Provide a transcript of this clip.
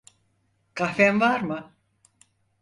Kahven var mı?